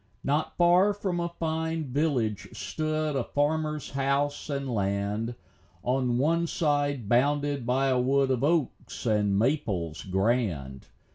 Not far from a fine village stood A farmer's house and land, On one side bounded by a wood Of oaks and maples grand.